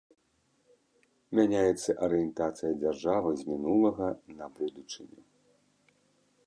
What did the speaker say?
Мяняецца арыентацыя дзяржавы з мінулага на будучыню.